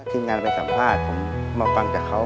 ทีมงานไปสัมภาษณ์ผมมาฟังจากเขา